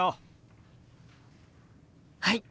はい！